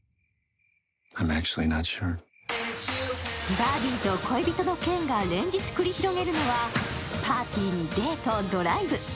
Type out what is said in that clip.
バービーと恋人のケンが連日繰り広げるのはパーティーにデート、ドライブ。